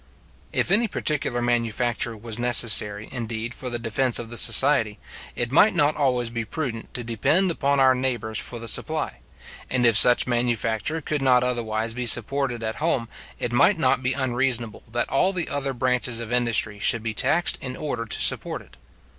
If any particular manufacture was necessary, indeed, for the defence of the society, it might not always be prudent to depend upon our neighbours for the supply; and if such manufacture could not otherwise be supported at home, it might not be unreasonable that all the other branches of industry should be taxed in order to support it.